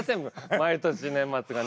毎年年末がね。